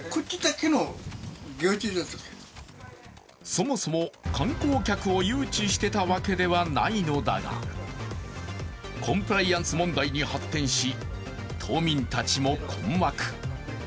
そもそも観光客を誘致していたわけではないのだがコンプライアンス問題に発展し島民たちも困惑。